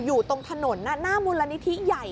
อยู่ตรงถนนหน้ามูลนิธิใหญ่